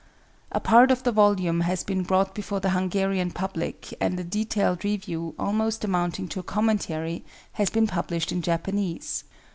A part of the volume has been brought before the Hungarian public and a detailed review, almost amounting to a commentary, has been published in Japanese.